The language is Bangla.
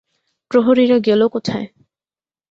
প্রহরীরা গেল কোথায়?